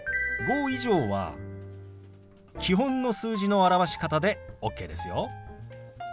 ５以上は基本の数字の表し方でＯＫですよ。